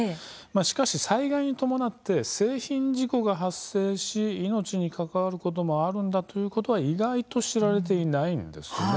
しかし災害に伴って製品事故が発生し命に関わることもあるということは意外と知られていないんですね。